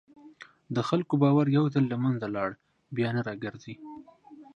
د خلکو باور یو ځل له منځه لاړ، بیا نه راګرځي.